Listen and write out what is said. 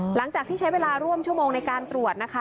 หลังจากที่ใช้เวลาร่วมชั่วโมงในการตรวจนะคะ